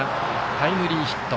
タイムリーヒット。